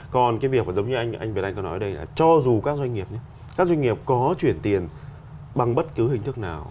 còn cái việc giống như anh việt anh có nói ở đây là cho dù các doanh nghiệp có chuyển tiền bằng bất cứ hình thức nào